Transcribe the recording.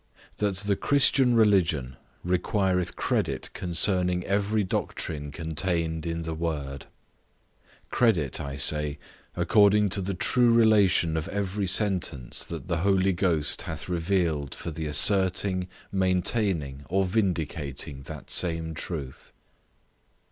That the Christian religion requireth credit concerning every doctrine contained in the Word; credit, I say, according to the true relation of every sentence that the Holy Ghost hath revealed for the asserting, maintaining, or vindicating that same truth.